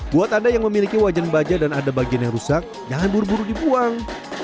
buat anda yang memiliki wajan baja dan ada bagian yang rusak jangan buru buru dibuang